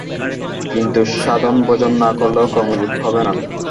কিন্তু সাধন-ভজন না করলে কর্মযোগও হবে না।